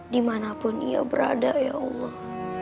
dimanapun ia berada ya allah